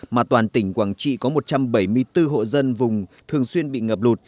mà toàn tỉnh quảng trị có một trăm bảy mươi bốn hộ dân vùng thường xuyên bị ngập lụt